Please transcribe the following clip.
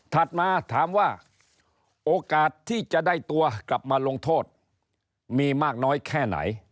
มาถามว่าโอกาสที่จะได้ตัวกลับมาลงโทษมีมากน้อยแค่ไหน